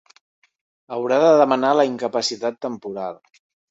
Haurà de demanar la incapacitat temporal.